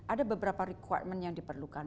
ada beberapa requirement yang diperlukan